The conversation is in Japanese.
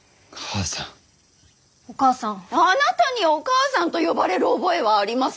あなたにお義母さんと呼ばれる覚えはありません。